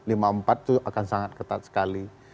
lima puluh empat itu akan sangat ketat sekali